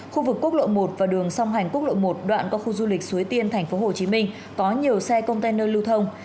khu vực quốc lộ một và đường song hành quốc lộ một đoạn qua khu du lịch suối tiên tp hcm có nhiều xe container lưu thông